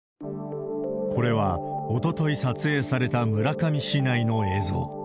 これは、おととい撮影された村上市内の映像。